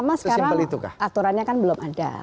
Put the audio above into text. nah kan pertama sekarang aturannya kan belum ada